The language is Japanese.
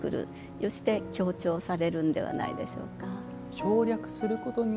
そして強調されるのではないでしょうか。